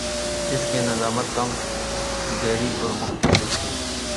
اس کی ندامت کم گہری اور مختصر تھِی